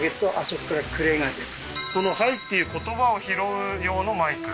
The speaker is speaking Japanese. その「はい」っていう言葉を拾う用のマイク？